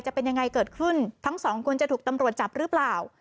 จะเป็นยังไงเกิดขึ้นทั้งสองคนจะถูกตำรวจจับหรือเปล่า